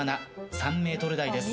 ３ｍ台です。